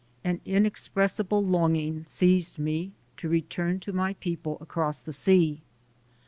An inex pressible longing seized me to return to my people across the sea.